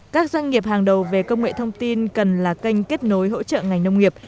các doanh nghiệp hàng đầu về công nghệ thông tin cần là kênh kết nối hỗ trợ ngành nông nghiệp